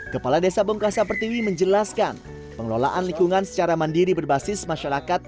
kepala desa bongkasa pertiwi menjelaskan pengelolaan lingkungan secara mandiri berbasis masyarakat